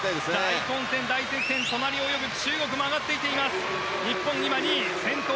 大混戦、大接戦隣を泳ぐ中国も上がってきています。